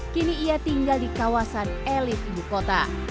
kini ia tinggal di kawasan elit ibu kota